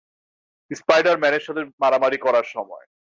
স্পাইডার-ম্যানের সাথে মারামারি করার সময়।